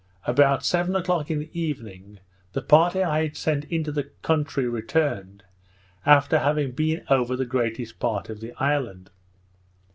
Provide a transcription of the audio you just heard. About seven o'clock in the evening, the party I had sent into the country returned, after having been over the greatest part of the island.